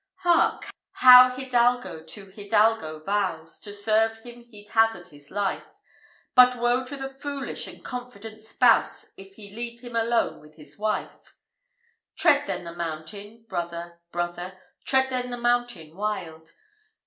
I. Hark! how hidalgo to hidalgo vows, To serve him he'd hazard his life But woe to the foolish and confident spouse If he leave him alone with his wife. Tread then the mountain, brother, brother! Tread then the mountain wild!